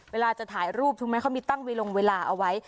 เวลาจะถ่ายรูปเขามีตั้งวิรุณาเวลาเอาไว้